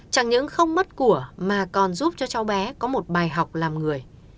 chẳng những không mất của mà còn giúp cho cháu bé có một bài học làm người